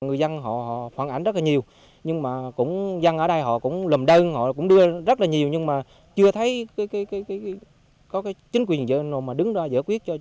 người dân họ phản ảnh rất là nhiều nhưng mà cũng dân ở đây họ cũng lùm đơn họ cũng đưa rất là nhiều nhưng mà chưa thấy có chính quyền gì mà đứng ra giải quyết cho cá